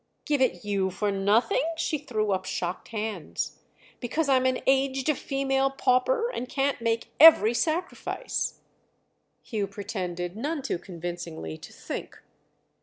"Give it you for nothing?" She threw up shocked hands. "Because I'm an aged female pauper and can't make every sacrifice." Hugh pretended—none too convincingly—to think.